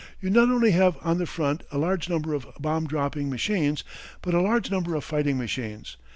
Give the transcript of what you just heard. You not only have on the front a large number of bomb dropping machines, but a large number of fighting machines.